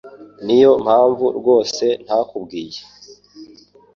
Niyo mpamvu rwose ntakubwiye.